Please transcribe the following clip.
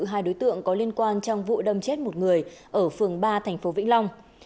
hai đối tượng có liên quan trong vụ đâm chết một người ở phường ba thành phố vĩnh long